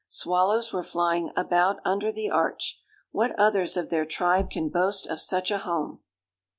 Swallows were flying about under the arch. What others of their tribe can boast of such a home?